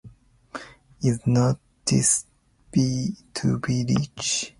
Is not this to be rich?